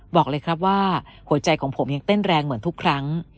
บอกเลยครับว่าหัวใจของผมยังเต้นแรงเหมือนทุกครั้ง